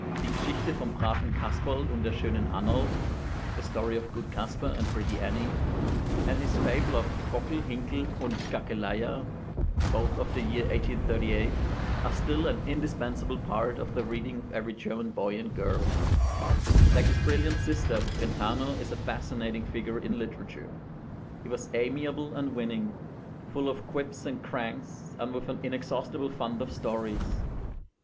'Die Geschichte vom braven Casperl und der schönen Annerl' (The Story of Good Casper and Pretty Annie) and his fable of 'Gockel, Hinkel, und Gackeleia,' both of the year 1838, are still an indispensable part of the reading of every German boy and girl. Like his brilliant sister, Brentano is a fascinating figure in literature. He was amiable and winning, full of quips and cranks, and with an inexhaustible fund of stories.